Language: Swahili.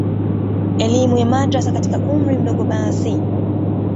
elimu ya madrasa katika umri mdogo basi